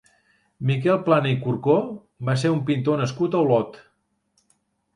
Miquel Plana i Corcó va ser un pintor nascut a Olot.